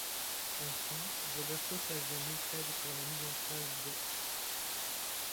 Enfin, Roberto Saviano plaide pour la mise en place d'.